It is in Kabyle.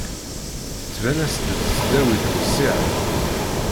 Tettban-as-d tesdawit wessiɛet.